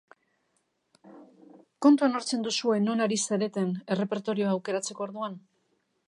Kontuan hartzen duzue non ari zareten errepertorioa aukeratzeko orduan?